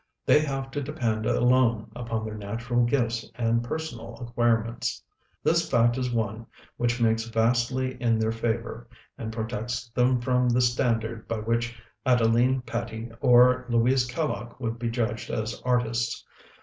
They have to depend alone upon their natural gifts and personal acquirements. This fact is one which makes vastly in their favor, and protects them from the standard by which Adeline Patti or Louise Kellogg would be judged as artists.